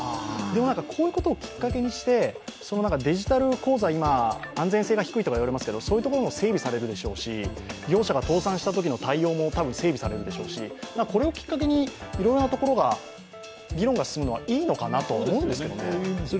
でも、こういうことをきっかけにして、デジタル口座は今、安全性が低いとか言われますけど、そういうところも整備されるでしょうし、業者が倒産したときの対応も、整備されますし、これをきっかけに、いろいろなところが議論が進むのはいいと思いますけどね。